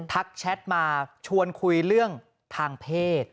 แชทมาชวนคุยเรื่องทางเพศ